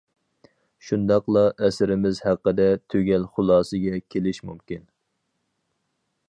شۇنداقلا ئەسىرىمىز ھەققىدە تۈگەل خۇلاسىگە كېلىش مۇمكىن.